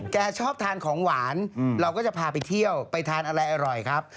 แกชอบทานของหวานเราก็จะพาไปเที่ยวไปทานอะไรอร่อยครับ